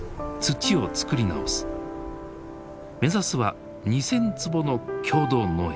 目指すは２，０００坪の共同農園。